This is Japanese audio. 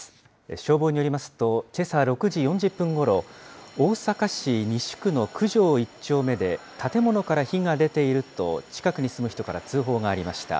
消防によりますと、けさ６時４０分ごろ、大阪市西区の九条１丁目で、建物から火が出ていると近くに住む人から通報がありました。